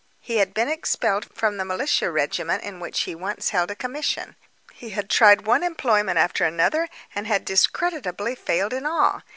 He had been expelled the militia regiment in which he once held a commission. He had tried one employment after another, and had discreditably failed in all.